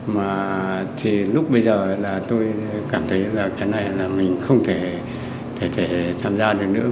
mà thì lúc bây giờ là tôi cảm thấy là cái này là mình không thể tham gia được nữa